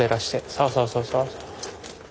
そうそうそうそうそう。